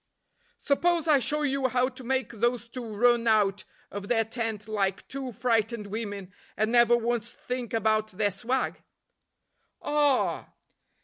"Suppose I show you how to make those two run out of their tent like two frightened women, and never once think about their swag?" "Ah!"